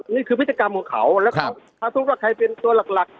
นี่คือพิจกรรมของเขาและถ้าทุกคนถ้าเป็นส่วนหลัก